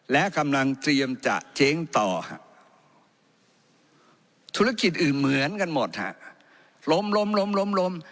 และกำลังเตรียมจะเจ๊งต่อธุรกิจอื่นเหมือนกันหมดฮะล้มล้มล้ม